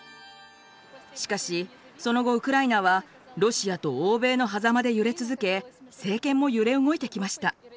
しかしその後ウクライナはロシアと欧米のはざまで揺れ続け政権も揺れ動いてきました。